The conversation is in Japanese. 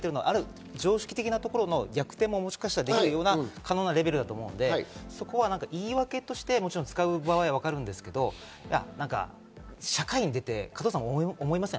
番組で取り上げているのは常識的なところの逆転も、もしかしたらできるようなレベルだと思うので、言い訳として使う場合は分かるんですけど、社会に出て、加藤さん思いません？